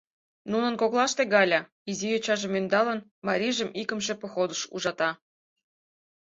Нунын коклаште Галя, изи йочажым ӧндалын, марийжым икымше походыш ужата.